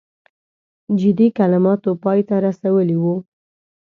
جدي کلماتو پای ته رسولی وو.